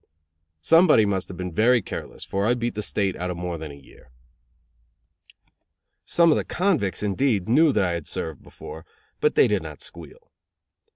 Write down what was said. Somebody must have been very careless, for I beat the State out of more than a year. Some of the convicts, indeed, knew that I had served before; but they did not squeal.